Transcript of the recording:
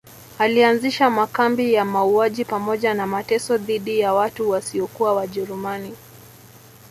Alianzisha makambi ya mauaji pamoja na mateso dhidi ya watu wasiokuwa wajerumani